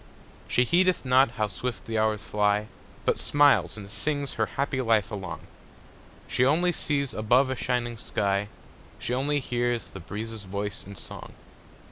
She heedeth not how swift the hours fly, But smiles and sings her happy life along; She only sees above a shining sky; She only hears the breezes' voice in song.